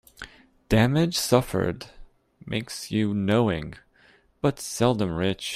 Damage suffered makes you knowing, but seldom rich.